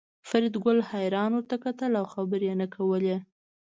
فریدګل حیران ورته کتل او خبرې یې نه کولې